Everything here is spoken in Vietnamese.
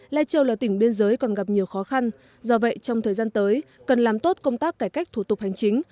lai châu là tỉnh biên giới còn gặp nhiều khó khăn do vậy trong thời gian tới cần làm tốt công tác cải cách thủ tục hành chính